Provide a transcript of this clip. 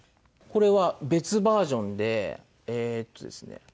これは別バージョンでえっとですね